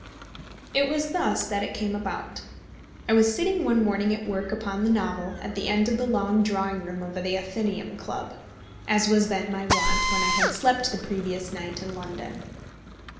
It was thus that it came about. I was sitting one morning at work upon the novel at the end of the long drawing room of the Athenæum Club, as was then my wont when I had slept the previous night in London.